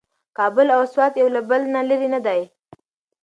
کابل او سوات یو له بل نه لرې نه دي.